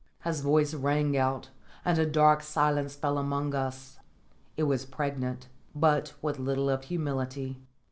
'" His voice rang out, and a dark silence fell among us. It was pregnant, but with little of humility.